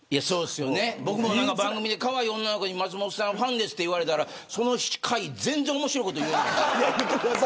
僕も番組でかわいい女の子にファンですと言われたらその回全然面白いこと言えない。